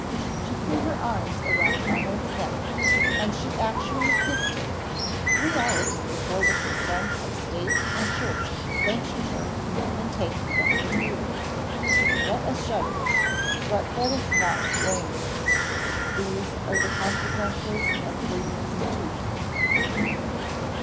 She threw her arms round Arnold's neck; and she actually kissed him three hours before the consent of State and Church sanctioned her in taking that proceeding. Let us shudder but let us not blame her. These are the consequences of free institutions.